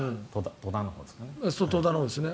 戸田のほうですね。